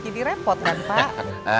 jadi repot kan pak